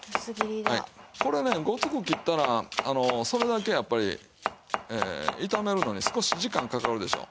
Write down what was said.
これねゴツく切ったらそれだけやっぱり炒めるのに少し時間かかるでしょう。